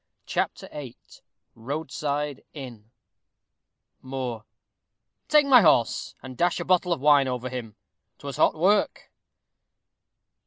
CHAPTER VIII ROADSIDE INN Moor. Take my horse, and dash a bottle of wine over him. 'Twas hot work.